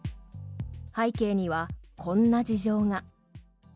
背景には、こんな事情が。